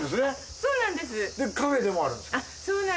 そうなんですよ。